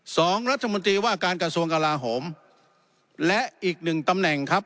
สองรัฐมนตรีว่าการกระทรวงกลาโหมและอีกหนึ่งตำแหน่งครับ